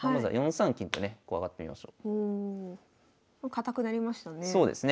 堅くなりましたね。